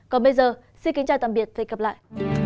còn bây giờ xin kính chào tạm biệt và hẹn gặp lại